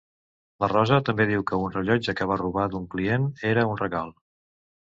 La Rosa també diu que un rellotge que va robar d'un client era un regal.